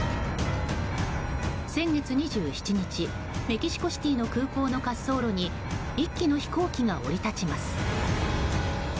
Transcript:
先月２７日メキシコシティの空港の滑走路に１機の飛行機が降り立ちます。